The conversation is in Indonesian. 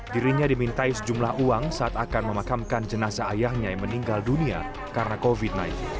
dirinya dimintai sejumlah uang saat akan memakamkan jenazah ayahnya yang meninggal dunia karena covid sembilan belas